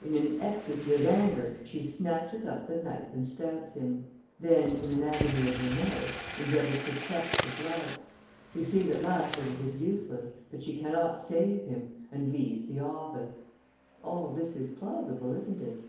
In an ecstacy of anger, she snatches up the knife and stabs him; then, in an agony of remorse, endeavors to check the blood. She sees at last that it is useless, that she cannot save him, and leaves the office. All this is plausible, isn't it?"